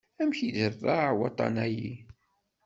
Amek iderreε waṭṭan-ayi?